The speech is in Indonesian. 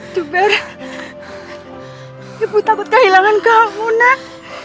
jumir ibu takut kehilangan kamu nak